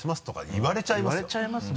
言われちゃいますもんね。